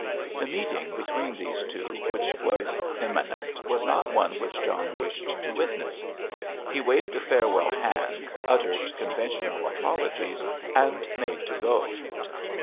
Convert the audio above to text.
The meeting between these two which was imminent was not one which John wished to witness. He waved a farewell hand, uttered conventional apologies and made to go.